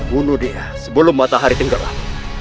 bunuh dia sebelum matahari tenggelam